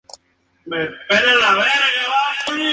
Nombrada así por el asesino en serie Ed Gein.